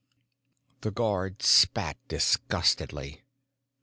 9 THE guard spat disgustedly.